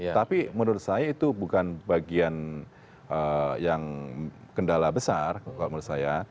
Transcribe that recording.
tapi menurut saya itu bukan bagian yang kendala besar kalau menurut saya